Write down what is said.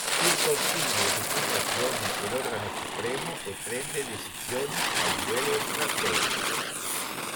Il Consiglio di fondazione è l'organo supremo e prende decisioni a livello strategico.